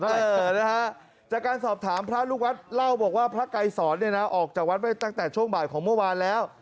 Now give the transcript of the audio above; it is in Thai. เออนะฮะจากการสอบถามพระลูกวัดเล่าบอกว่าพระไกรสอนเนี่ยนะออกจากวัดไปตั้งแต่ช่วงบ่ายของเมื่อวานแล้ว